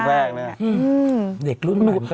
แฮนด์อ๋อข้างแกรกนะ